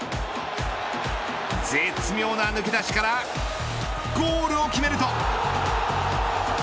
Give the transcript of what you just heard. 絶妙な抜け出しからゴールを決めると。